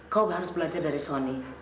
kau harus belajar dari sony